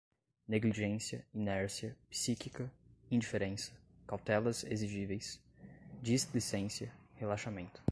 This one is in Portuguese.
negligência, inércia, psíquica, indiferença, cautelas exigíveis, displicência, relaxamento